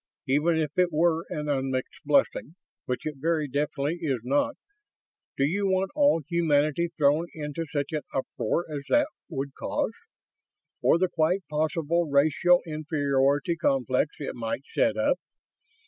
Even if it were an unmixed blessing which it very definitely is not do you want all humanity thrown into such an uproar as that would cause? Or the quite possible racial inferiority complex it might set up?